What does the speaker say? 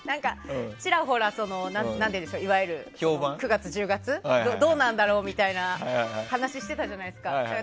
ちらほら９月、１０月どうなんだろうみたいな話してたじゃないですか。